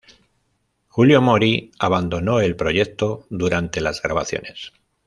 Julio Mori abandonó el proyecto durante las grabaciones.